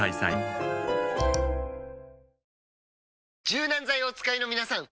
柔軟剤をお使いのみなさん！